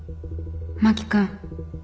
真木君。